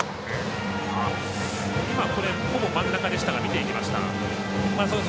ほぼ真ん中でしたが見ていきました。